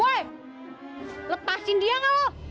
weh lepasin dia gak lo